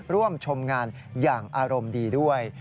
ร่วมชมงานอย่างอารมณ์ดีด้วย